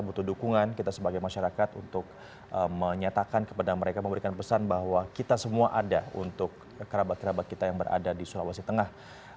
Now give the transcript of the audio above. butuh dukungan kita sebagai masyarakat untuk menyatakan kepada mereka memberikan pesan bahwa kita semua ada untuk kerabat kerabat kita yang berada di sulawesi tengah